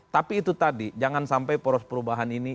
tapi itu tadi jangan sampai poros perubahan ini